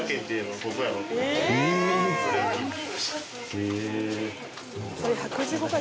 へえ。